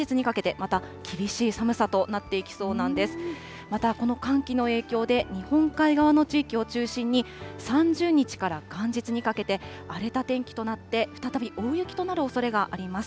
また、この寒気の影響で、日本海側の地域を中心に、３０日から元日にかけて荒れた天気となって、再び大雪となるおそれがあります。